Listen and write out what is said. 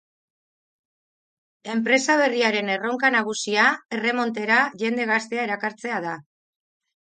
Enpresa berriaren erronka nagusia erremontera jende gaztea erakartzea da.